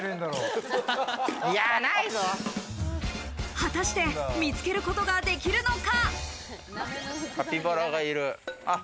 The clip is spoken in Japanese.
果たして見つけることができるのか？